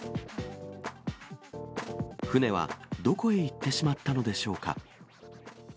船はどこへ行ってしまったのでしょうか。